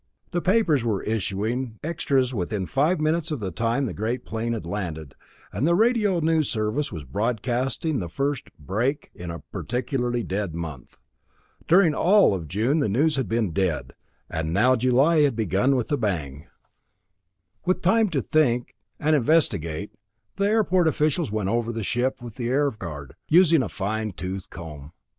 The papers were issuing extras within five minutes of the time the great plane had landed, and the radio news service was broadcasting the first "break" in a particularly dead month. During all of June the news had been dead, and now July had begun with a bang! With time to think and investigate, the airport officials went over the ship with the Air Guard, using a fine tooth comb.